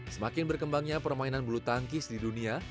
semakin berkembangnya permainan bulu tangkis di dunia